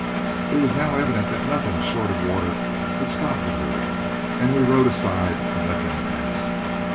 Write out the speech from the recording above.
It was now evident that nothing short of water would stop the herd, and we rode aside and let them pass.